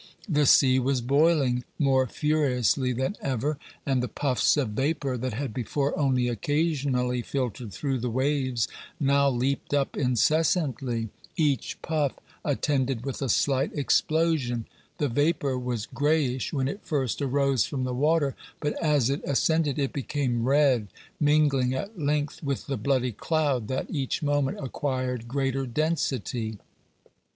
The sea was boiling more furiously than ever, and the puffs of vapor that had before only occasionally filtered through the waves now leaped up incessantly, each puff attended with a slight explosion; the vapor was grayish when it first arose from the water, but as it ascended it became red, mingling at length with the bloody cloud that each moment acquired greater density.